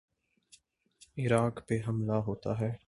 عراق پہ حملہ ہوتا ہے۔